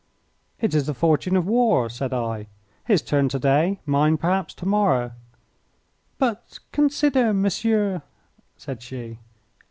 "It is the fortune of war," said I. "His turn to day; mine, perhaps, to morrow." "But consider, Monsieur " said she.